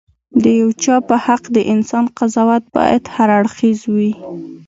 د یو چا په حق د انسان قضاوت باید هراړخيزه وي.